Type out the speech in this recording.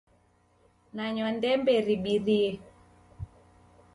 Nanywa ndembe ribirie